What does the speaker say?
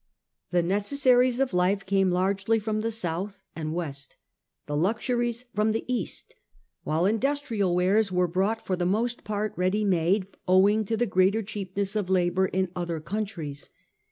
The necessaries of life came largely from the South and West, the luxuries from the East, while indus trial wares were brought for the most part ready made, owing to the greater cheapness of labour in other coun tries.